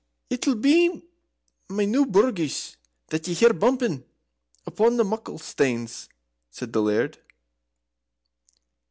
"It'll be my new brogues that ye hear bumpin' Upon the muckle stanes," said the Laird.